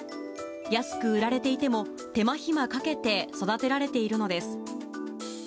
安く売られていても、手間暇かけて育てられているのです。